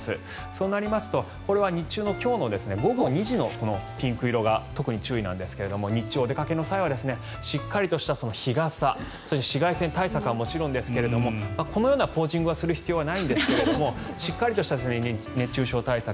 そうなりますとこれは日中の今日の午後２時のピンク色が特に注意なんですが日中、お出かけの際はしっかりとした日傘そして、紫外線対策はもちろんですがこのようなポージングをする必要はないんですがしっかりとした熱中症対策